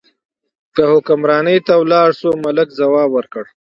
که حکمرانۍ ته لاړ شو، ملک ځواب ورکړ.